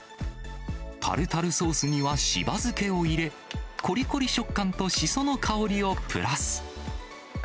タルタルソースには柴漬けを入れ、こりこり食感とシソの香りをプラス。